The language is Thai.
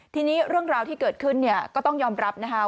ทีนี้เรื่องราวที่เกิดขึ้นเนี่ยก็ต้องยอมรับนะคะ